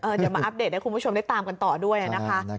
เดี๋ยวมาอัปเดตให้คุณผู้ชมได้ตามกันต่อด้วยนะคะ